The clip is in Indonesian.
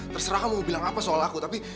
terserah kamu mau bilang apa soal aku tapi